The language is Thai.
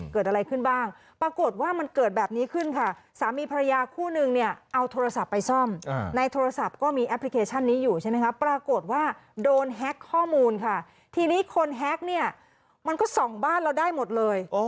เกิดอะไรขึ้นบ้างปรากฏว่ามันเกิดแบบนี้ขึ้นค่ะสามีภรรยาคู่นึงเนี่ยเอาโทรศัพท์ไปซ่อมในโทรศัพท์ก็มีแอปพลิเคชันนี้อยู่ใช่ไหมคะปรากฏว่าโดนแฮ็กข้อมูลค่ะทีนี้คนแฮ็กเนี่ยมันก็ส่องบ้านเราได้หมดเลย